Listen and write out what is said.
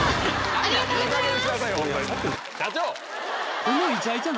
ありがとうございます！